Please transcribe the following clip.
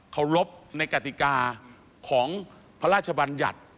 เคารพในกติกาของพระราชบัญญัติ